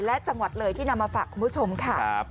และจังหวัดเลยที่นำมาฝากคุณผู้ชมค่ะ